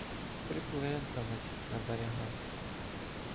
Припленталась на берега